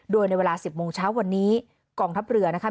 โดยในเวลา๑๐โมงเช้าวันนี้กองทัพเรือนะคะ